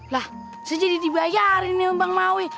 lah jadi dibayarin ini bang hawi